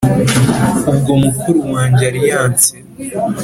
ubwo mukuru wanjye aliyanse